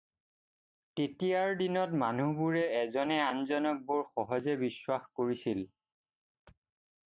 তেতিয়াৰ দিনত মানুহবোৰে এজনে আনজনক বৰ সহজে বিশ্বাস কৰিছিল।